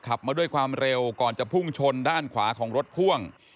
มาด้วยความเร็วก่อนจะพุ่งชนด้านขวาของรถพ่วง